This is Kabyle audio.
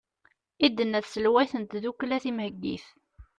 i d-tenna tselwayt n tddukkla timheggit